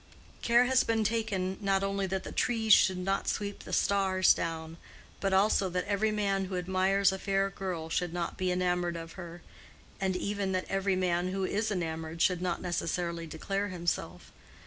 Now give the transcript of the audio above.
Care has been taken not only that the trees should not sweep the stars down, but also that every man who admires a fair girl should not be enamored of her, and even that every man who is enamored should not necessarily declare himself.